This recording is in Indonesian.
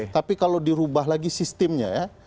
tapi kalau dirubah lagi sistemnya ya